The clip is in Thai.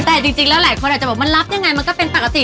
แต่จริงแล้วหลายคนอาจจะบอกมันรับยังไงมันก็เป็นปกติ